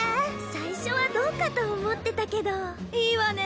最初はどうかと思ってたけどいいわね